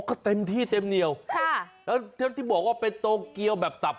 ก็เต็มที่เต็มเหนียวค่ะแล้วที่บอกว่าเป็นโตเกียวแบบสับ